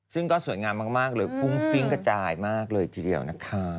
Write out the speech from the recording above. ซึ่งก็สวยงามมากเลยฟุ้งฟิ้งกระจายมากเลยทีเดียวนะคะ